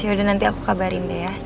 yaudah nanti aku kabarin deh ya